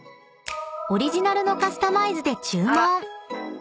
［オリジナルのカスタマイズで注文］